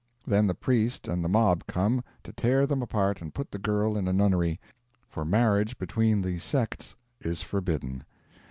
Then the priest and the mob come, to tear them apart and put the girl in a nunnery; for marriage between the sects is forbidden.